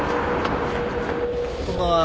こんばんは。